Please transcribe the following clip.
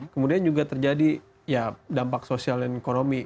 kemudian juga terjadi ya dampak sosial dan ekonomi